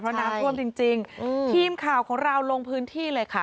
น้ำท่วมจริงจริงทีมข่าวของเราลงพื้นที่เลยค่ะ